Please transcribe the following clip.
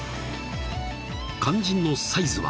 肝心のサイズは？